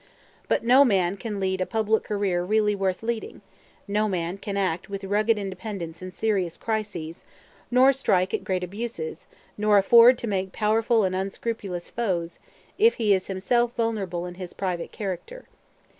But no man can lead a public career really worth leading, no man can act with rugged independence in serious crises, nor strike at great abuses, nor afford to make powerful and unscrupulous foes, if he is himself vulnerable in his private character.